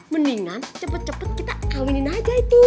mendingan cepet cepet kita kawinin aja itu